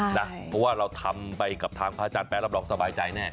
เพราะว่าเราทำไปกับทางพระอาจารย์แป๊รับรองสบายใจแน่